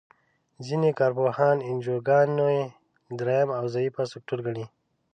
ځینې کار پوهان انجوګانې دریم او ضعیفه سکتور ګڼي.